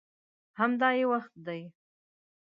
همدا یې وخت دی.